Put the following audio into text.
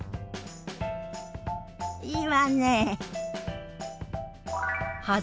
いいわね。